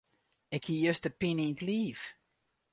Ik hie juster pine yn 't liif.